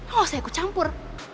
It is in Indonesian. nggak usah aku campur